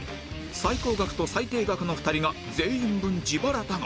最高額と最低額の２人が全員分自腹だが